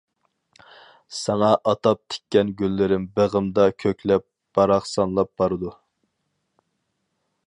ساڭا ئاتاپ تىككەن گۈللىرىم بېغىمدا كۆكلەپ باراقسانلاپ بارىدۇ.